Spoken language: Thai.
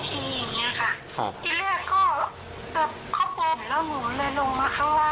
ที่เรียกก็เขาปุ่มแล้วหนูเลยลงมาข้างล่าง